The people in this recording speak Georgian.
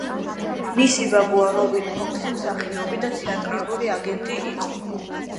მისი ბაბუა რობინ ფოქსი მსახიობი და თეატრალური აგენტი იყო.